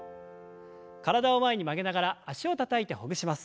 体を前に曲げながら脚をたたいてほぐします。